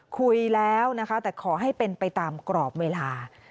คุยแล้วนะคะแต่ขอให้เป็นไปตามกรอบเวลา